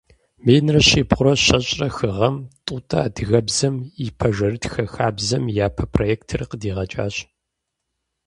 Минрэ щибгъурэ щэщӏрэ хы гъэм Тӏутӏэ адыгэбзэм и пэжырытхэ хабзэм и япэ проектыр къыдигъэкӏащ.